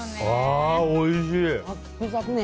ああ、おいしい。